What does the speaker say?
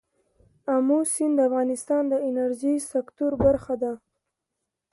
آمو سیند د افغانستان د انرژۍ سکتور برخه ده.